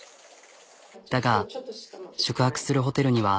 だが宿泊するホテルには。